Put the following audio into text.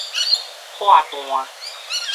破蛋